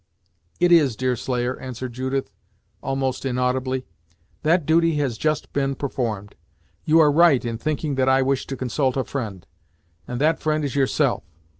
"It is, Deerslayer," answered Judith, almost inaudibly. "That duty has just been performed. You are right in thinking that I wish to consult a friend; and that friend is yourself.